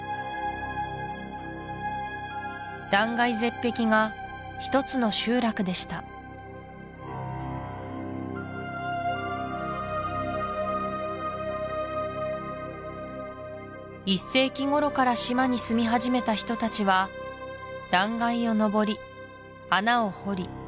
断崖絶壁が一つの集落でした１世紀頃から島に住み始めた人たちは断崖をのぼり穴を掘り